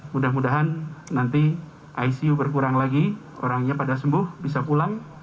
mudah mudahan nanti icu berkurang lagi orangnya pada sembuh bisa pulang